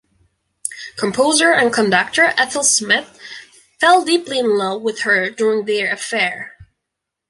Composer and conductor Ethel Smyth fell deeply in love with her during their affair.